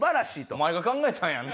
お前が考えたんやんな？